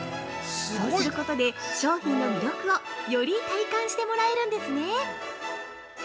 そうすることで、商品の魅力をより体感してもらえるんですね。